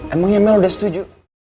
emang emel udah setuju